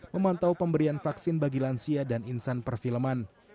memantau pemberian vaksin bagi lansia dan insan perfilman